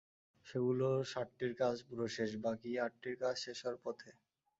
সেগুলোর সাতটির কাজ পুরো শেষ, বাকি আটটির কাজ শেষ হওয়ার পথে।